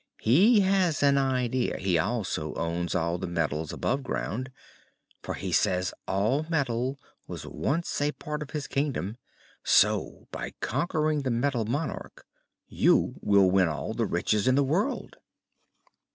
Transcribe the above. He has an idea he also owns all the metals above ground, for he says all metal was once a part of his kingdom. So, by conquering the Metal Monarch, you will win all the riches in the world."